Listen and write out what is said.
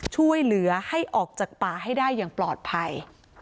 ช่วยเหลือให้ออกจากป่าให้ได้อย่างปลอดภัย